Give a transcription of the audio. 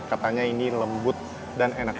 katanya ini lembut dan enak